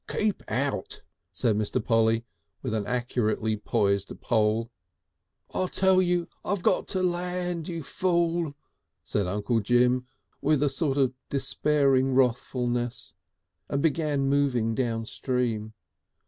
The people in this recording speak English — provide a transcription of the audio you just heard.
"Keep out!" said Mr. Polly, with an accurately poised pole. "I tell you I got to land, you Fool," said Uncle Jim, with a sort of despairing wrathfulness, and began moving down stream.